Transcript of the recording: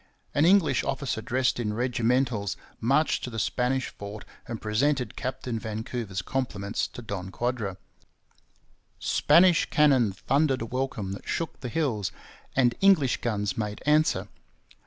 An English officer dressed in regimentals marched to the Spanish fort and presented Captain Vancouver's compliments to Don Quadra. Spanish cannon thundered a welcome that shook the hills, and English guns made answer.